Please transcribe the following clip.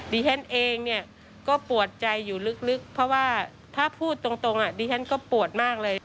ดิฉันเองเนี่ยก็ปวดใจอยู่ลึกเพราะว่าถ้าพูดตรงดิฉันก็ปวดมากเลย